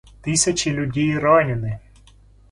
Тысячи людей ранены.